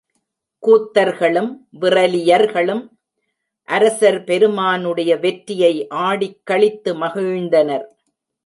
கூத்தர்களும், விறலியர்களும் அரசர் பெருமானுடைய வெற்றியை ஆடிக்களித்து மகிழ்ந்தனர்.